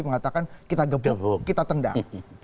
mengatakan kita gebok kita tendang